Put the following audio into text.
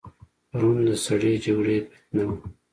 پرون د سړې جګړې فتنه وه.